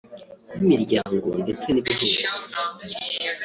y’imiryango ndetse n’ibihugu